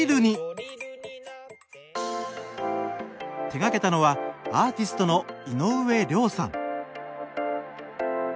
手がけたのはアーティストの井上涼さん。